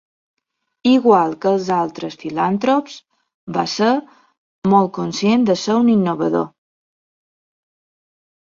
Igual que els altres filantrops, va ser molt conscient de ser un innovador.